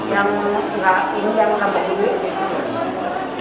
ini yang nambah yudi